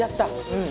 うん。